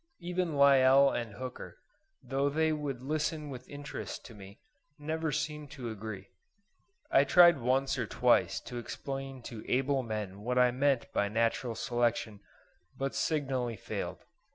Even Lyell and Hooker, though they would listen with interest to me, never seemed to agree. I tried once or twice to explain to able men what I meant by Natural Selection, but signally failed.